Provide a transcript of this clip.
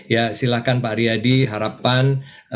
ya silakan pak ariyadi harapan